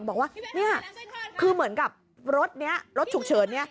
บอกว่านี่คือเหมือนกับรถฉุกเฉิน